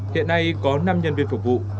hiện nay có năm nhân viên phục vụ